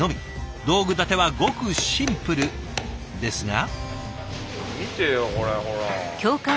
道具立てはごくシンプルですが。